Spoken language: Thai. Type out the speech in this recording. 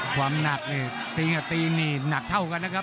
ความหนักตีกับตีนี่หนักเท่ากันนะครับ